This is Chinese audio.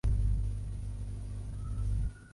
全购后淘宝中国将维持高鑫零售上市地位。